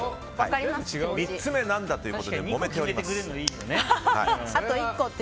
３つ目は何だということでもめております。